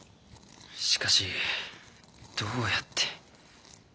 しかしどうやって。